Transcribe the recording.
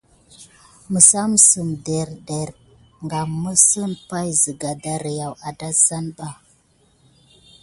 Məssamsəm dernədernə kam misine basika darkiwa adasan ba.